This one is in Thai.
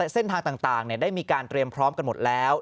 เส้นทางต่างได้มีการเตรียมพร้อมกันหมดแล้ว